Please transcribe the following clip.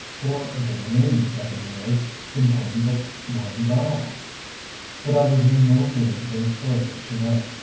Four of the remaining seven words contained but one vowel. But I was in no mood to go further to night.